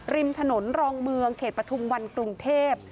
ริมถนนรองเมืองเขตปฐุมวันกรุงเทพ